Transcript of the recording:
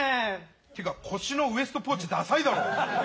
てか腰のウエストポーチダサいだろ。